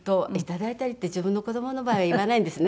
頂いたりって自分の子供の場合は言わないんですね。